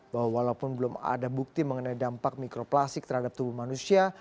bahwa walaupun belum ada bukti mengenai dampak mikroplastik terhadap tubuh manusia